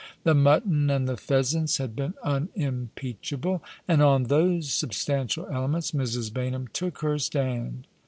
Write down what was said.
The mutton and the pheasants had been unimpeachable ; and on those substantial elements Mrs. Baynham took her stand.